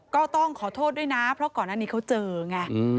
ก็ต้องขอโทษด้วยนะเพราะก่อนอันนี้เขาเจอไง